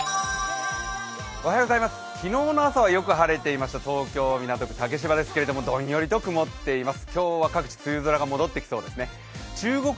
昨日の朝はよく晴れていた東京・港区竹芝ですがどんよりと曇っています。